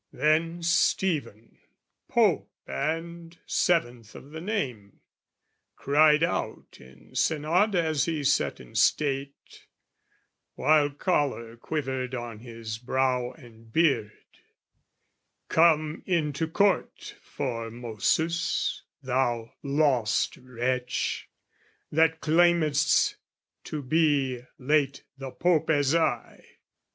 "Then Stephen, Pope and seventh of the name, "Cried out, in synod as he sat in state, "While choler quivered on his brow and beard, "'Come into court, Formosus, thou lost wretch, "'That claimedst to be late the Pope as I!'